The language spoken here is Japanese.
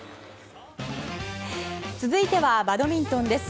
続いてはバドミントンです。